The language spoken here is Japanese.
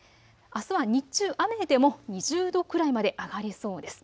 あすは日中、雨でも２０度くらいまで上がりそうです。